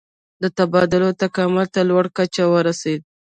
د تبادلو تکامل تر لوړې کچې ورسید.